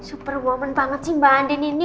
superwoman banget sih mbak andien ini